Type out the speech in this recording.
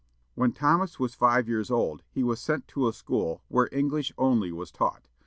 When Thomas was five years old, he was sent to a school where English only was taught.